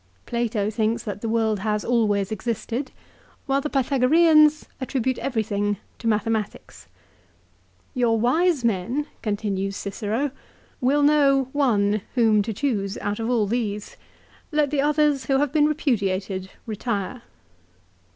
Plato thinks that the world has always existed ; while the Pythagoreans attribute everything to mathematics. 1 "Your wise men," continues Cicero, *" will know one whom to chose out of all these. Let the others, who have been repudiated, retire."